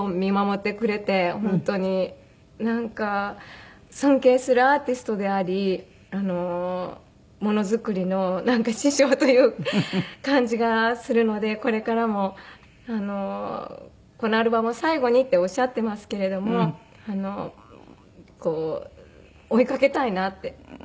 本当になんか尊敬するアーティストでありものづくりのなんか師匠という感じがするのでこれからもこのアルバムを最後にっておっしゃってますけれどもこう追いかけたいなって。